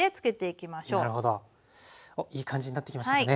いい感じになってきましたかね。